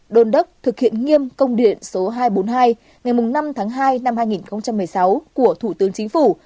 đôn đốc thực hiện nghiêm công điện số hai trăm bốn mươi hai ngày năm tháng hai năm hai nghìn một mươi sáu của thủ tướng chính phủ